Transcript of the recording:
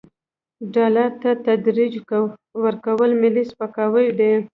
ډالر ته ترجیح ورکول ملي سپکاوی دی.